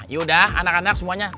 yaudah anak anak semuanya